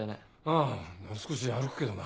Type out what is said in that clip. ああ少し歩くけどな。